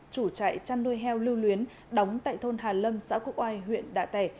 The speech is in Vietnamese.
chủ trại chăn nuôi heo lưu luyến đóng tại thôn hà lâm xã quốc oai huyện đạ tẻ